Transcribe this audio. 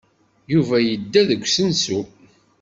Yuba yedda seg usensu.